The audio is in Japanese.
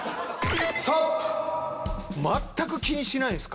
全く気にしないんですか？